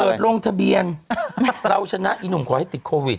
เปิดโรงทะเบียงถ้าเราชนัดไอหนุ่มหาวิทย์ไกล